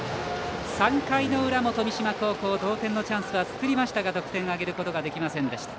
３回の裏も富島高校同点のチャンスは作りましたが得点を挙げることができませんでした。